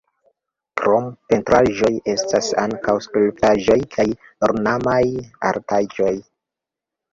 Krom pentraĵoj estas ankaŭ skulptaĵoj kaj ornamaj artaĵoj.